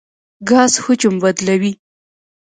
ګاز حجم بدلوي.